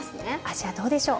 味はどうでしょう？